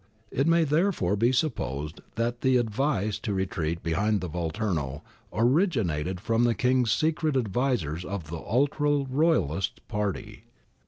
It may therefore be supposed that the advice to re treat behind the Volturno originated from the King's secret advisers of the ultra Royalist party.